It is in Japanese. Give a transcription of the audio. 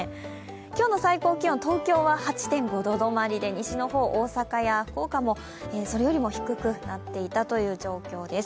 今日の最高気温、東京は８．５度止まりで西の方、大阪や福岡もそれよりも低くなっていたという状況です。